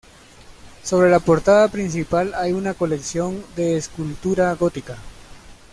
Sobre la portada principal hay una colección de escultura gótica.